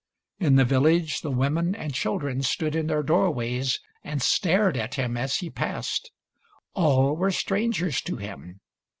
In the village the women and children stood in their doorways and stared at him as he passed. All were strangers to him.